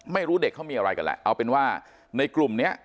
ไม่รู้เด็กเขามีอะไรกันแหละเอาเป็นว่าในกลุ่มนี้